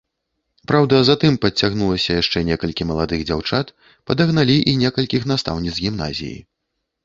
Праўда, затым падцягнулася яшчэ некалькі маладых дзяўчат, падагналі і некалькіх настаўніц гімназіі.